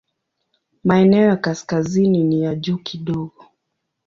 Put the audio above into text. Maeneo ya kaskazini ni ya juu kidogo.